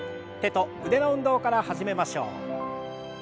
手と腕の運動から始めましょう。